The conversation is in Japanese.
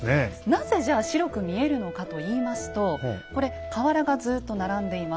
なぜじゃあ白く見えるのかといいますとこれ瓦がずっと並んでいます。